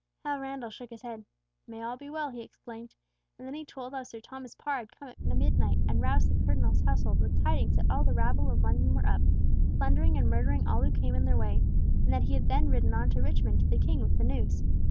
Hal Randall shook his head. "May all be well," he exclaimed, and then he told how Sir Thomas Parr had come at midnight and roused the Cardinal's household with tidings that all the rabble of London were up, plundering and murdering all who came in their way, and that he had then ridden on to Richmond to the King with the news.